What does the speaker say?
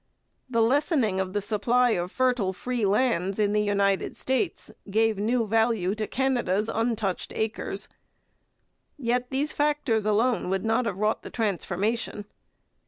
The lessening of the supply of fertile free lands in the United States gave new value to Canada's untouched acres. Yet these factors alone would not have wrought the transformation.